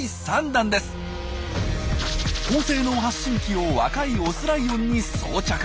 高性能発信機を若いオスライオンに装着。